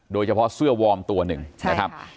โดยเฉพาะเสื้อวอร์มตัวหนึ่งนะครับ